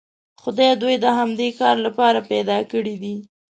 خدای دوی د همدې کار لپاره پیدا کړي دي.